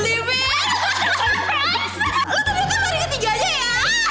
lo ternyata menari ketiga aja ya